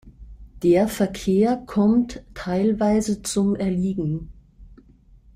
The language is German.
Der Verkehr kommt teilweise zum Erliegen.